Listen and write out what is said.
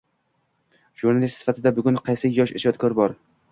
Jurnalist sifatida bugun qaysi yosh ijodkor bor.